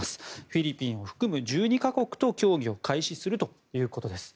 フィリピンを含む１２か国と協議を開始するということです。